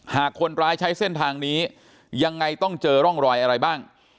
หากคนร้ายใช้เส้นทางนี้ยังไงต้องเจอร่องรอยอะไรบ้าง